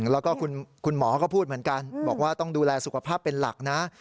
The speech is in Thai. แล้วก็คุณหมอก็พูดเหมือนกันบอกว่าต้องดูแลสุขภาพเป็นหลักนะ